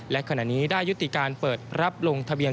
และขณะนี้ได้ยุติการเปิดรับลงทะเบียน